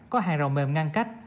có hàng rồng mềm ngăn cách